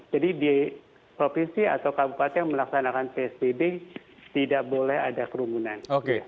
jadi di provinsi atau kabupaten yang melaksanakan psbb tidak boleh ada kerumunan